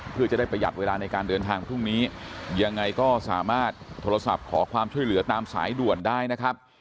เพื่อจะได้ประหยัดเวลาในการเดินทางพรุ่งนี้ยังไงก็สามารถโทรศัพท์ขอความช่วยเหลือตามสายด่วนได้นะครับ